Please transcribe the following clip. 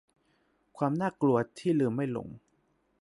ความน่ากลัวที่ลืมไม่ลง